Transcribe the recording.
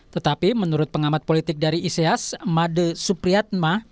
tetapi menurut pengamat politik dari ics made supriyatma